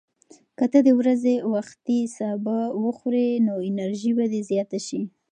که ته د ورځې وختي سبو وخورې، نو انرژي به دې زیاته شي.